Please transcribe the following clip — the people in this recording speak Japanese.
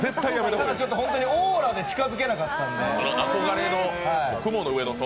ただ、オーラで近づけなかったんで。